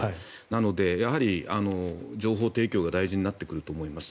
なので、やはり情報提供が大事になってくると思います。